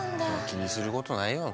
気にすることないよ。